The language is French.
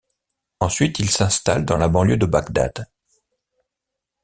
Ensuite, il s'installe dans la banlieue de Bagdad.